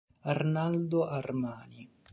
Arnaldo Armani